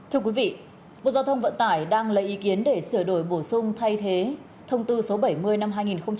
thưa quý vị bộ giao thông vận tải đang lấy ý kiến để sửa đổi bổ sung thay thế thông tư số bảy mươi năm hai nghìn một mươi chín